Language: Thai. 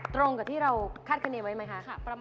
ตรงกับที่เราคาดคณีไว้ไหมคะ